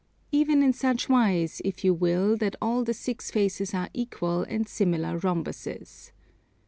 Even in such wise, if you will, that all the six faces are equal and similar rhombuses.